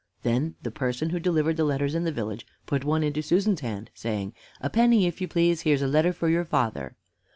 Then the person who delivered the letters in the village put one into Susan's hand, saying, "A penny, if you please here's a letter for your father."